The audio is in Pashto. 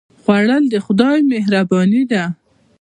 خوړل د خدای مهرباني ده